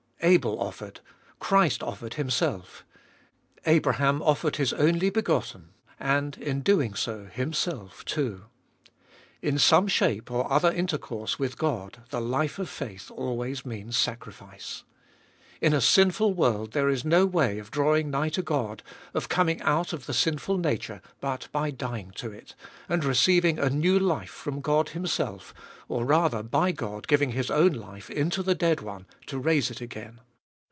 Abel offered ; Christ offered Him self; Abraham offered his only begotten, and, in doing so, himself too. In some shape or other intercourse with God, the life of faith, always means sacrifice. In a sinful world there is no way of drawing nigh to God, of coming out of the sinful nature, but by dying to it, and receiving a new life from God Himself, or rather by God giving His own life into the dead one to raise it again.